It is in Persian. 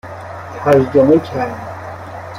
ترجمه کرد